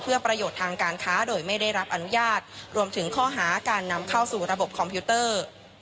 เพื่อประโยชน์ทางการค้าโดยไม่ได้รับอนุญาตรวมถึงข้อหาการนำเข้าสู่ระบบคอมพิวเตอร์